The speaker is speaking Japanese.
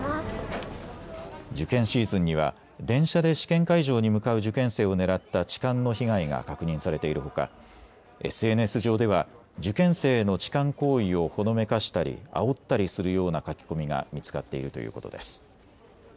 受験シーズンには電車で試験会場に向かう受験生を狙った痴漢の被害が確認されているほかＳＮＳ上では受験生への痴漢行為をほのめかしたり、あおったりするような書き込みが見つかっているということです。